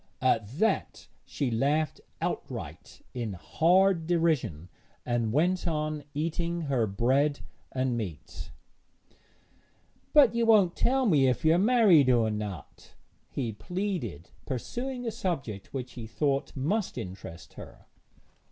At that she laughed outright in hard derision, and went on eating her bread and meat. 'But won't you tell me if you are married or not?' he pleaded, pursuing a subject which he thought must interest her.